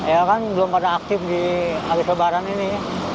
ya kan belum pada aktif di akhir lebaran ini